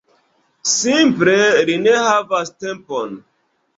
Simple li ne havas tempon.